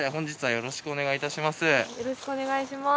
よろしくお願いします。